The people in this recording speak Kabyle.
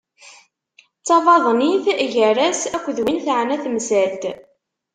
D tabaḍnit gar-as akked win teɛna temsalt.